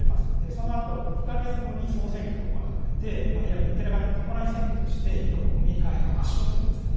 そのあと２か月後に総選挙が行われていわばインディラ・ガンディーの弔い選挙としてインド国民会議が圧勝するんですね。